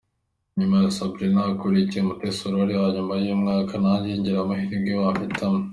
Nyuma ya Sabrina hakurikiye Mutesi Aurore hanyuma uyu mwaka nanjye ngira amahirwe bampitamo.